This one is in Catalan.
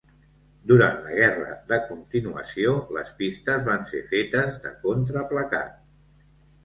Durant la Guerra de Continuació les pistes van ser fetes de contraplacat.